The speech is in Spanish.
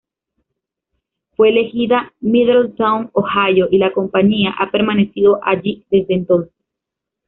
Fue elegida Middletown, Ohio, y la compañía ha permanecido allí desde entonces.